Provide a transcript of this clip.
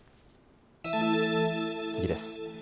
次です。